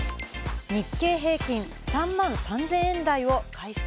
日経平均３万３０００円台を回復。